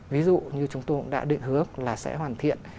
ví dụ như chúng tôi cũng đã định hướng là sẽ hoàn thiện